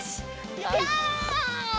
やった！